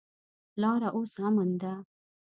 لاره اوس امن ده.